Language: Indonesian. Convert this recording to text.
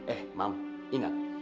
eh mam ingat